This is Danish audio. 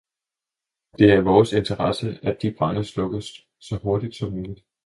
Det er i vores interesse, at de brande slukkes så hurtigt som muligt.